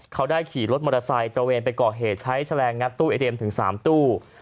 เขาได้ขี่รถมอเตอร์ไซค์ตระเวนไปก่อเหตุใช้แฉลงงัดตู้เอเดมถึง๓ตู้